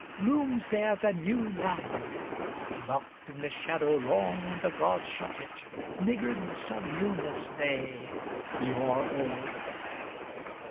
Looms there the New Land:Locked in the shadowLong the gods shut it, Niggards of newnessThey, the o'er old.